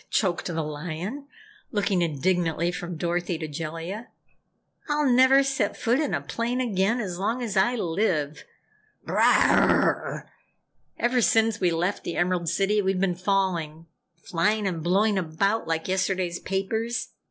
choked the Lion, looking indignantly from Dorothy to Jellia. "I'll never set foot in a plane again as long as I live. Brrrrah! Ever since we left the Emerald City we've been falling flying and blowing about like yesterday's papers.